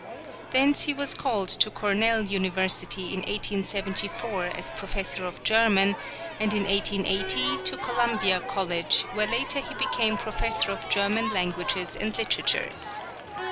Thence he was called to Cornell University in 1874 as professor of German, and in 1880 to Columbia College, where later he became professor of German languages and literatures.